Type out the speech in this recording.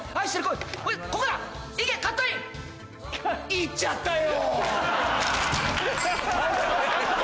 行っちゃったよ。